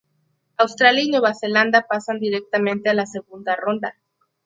Australia y Nueva Zelanda pasan directamente a la Segunda ronda.